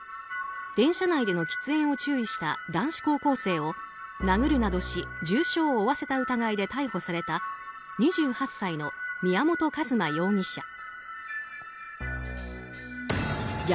電車内での喫煙を注意した男子高校生を殴るなどし重傷を負わせた疑いで逮捕された２８歳の宮本一馬容疑者。